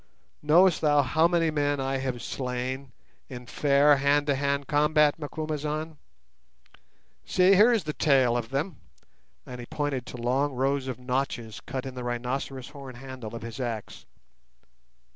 Knowest thou how many men I have slain, in fair hand to hand combat, Macumazahn? See, here is the tale of them"—and he pointed to long rows of notches cut in the rhinoceros horn handle of his axe.